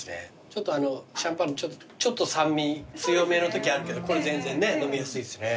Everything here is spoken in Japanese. ちょっとあのシャンパンのちょっと酸味強めのときあるけどこれ全然ね飲みやすいですね。